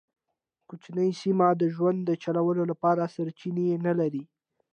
کوچنۍ سیمې د ژوند د چلولو لپاره سرچینې نه لرلې.